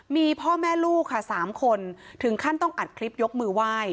มีพ่อแม่ลูกค่ะ๓คนถึงขั้นต้องอัดคลิปยกมือไหว้